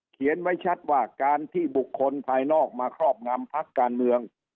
เขียนไว้ชัดว่าการที่บุคคลภายนอกมาครอบงำพักการเมือง